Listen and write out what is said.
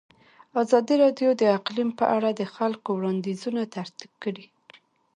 ازادي راډیو د اقلیم په اړه د خلکو وړاندیزونه ترتیب کړي.